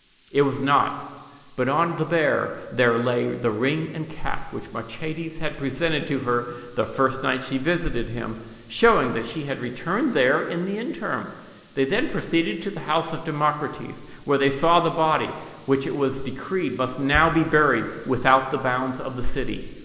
It was not; but on the bier there lay the ring and cap which Machates had presented to her the first night she visited him; showing that she had returned there in the interim. They then proceeded to the house of Democrates, where they saw the body, which it was decreed must now be buried without the bounds of the city.